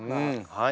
はい！